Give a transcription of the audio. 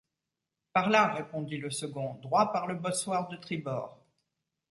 Par là, répondit le second, droit par le bossoir de tribord…